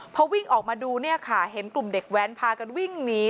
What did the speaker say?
พอวิ่งออกมาดูเนี่ยค่ะเห็นกลุ่มเด็กแว้นพากันวิ่งหนี